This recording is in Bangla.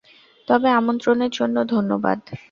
তবে আমন্ত্রণের জন্য ধন্যবাদ।